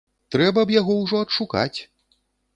Трэба б яго ўжо адшукаць!